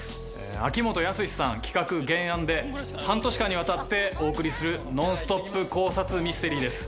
秋元康さん企画・原案で半年間にわたってお送りするノンストップ考察ミステリーです。